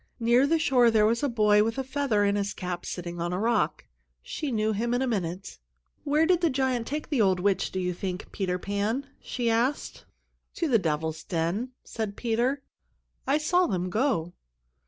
Near the shore there was a boy with a feather in his cap sitting on a rock. She knew him in a minute. "Where did the giant take the old witch, do you think, Peter Pan?" she asked. "To the Devil's Den," said Peter. "I saw them go."